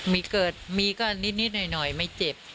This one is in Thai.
มีเกิดมีก็นิดหน่อยไม่เจ็บ